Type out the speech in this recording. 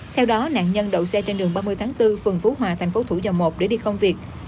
theo đó nạn nhân đậu xe trên đường ba mươi tháng bốn phường phú hòa thành phố thủ dầu một để đi công việc